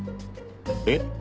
えっ？